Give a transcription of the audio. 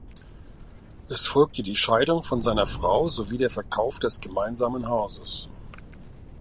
Es folgte die Scheidung von seiner Frau sowie der Verkauf des gemeinsamen Hauses.